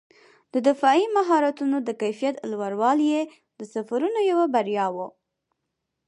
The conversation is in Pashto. د دفاعي مهارتونو د کیفیت لوړوالی یې د سفرونو یوه بریا وه.